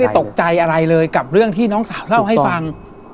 ตกใจอะไรเลยกับเรื่องที่น้องสาวเล่าให้ฟัง